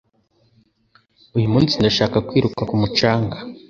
Uyu munsi, ndashaka kwiruka ku mucanga.